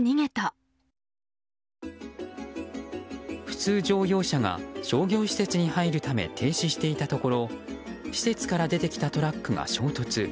普通乗用車が、商業施設に入るため停止していたところ施設から出てきたトラックが衝突。